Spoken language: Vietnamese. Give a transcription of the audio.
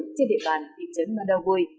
trên địa bàn thị trấn mà đào vôi